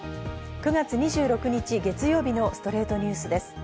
９月２６日、月曜日の『ストレイトニュース』です。